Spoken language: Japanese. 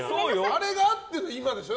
あれがあっての今でしょ。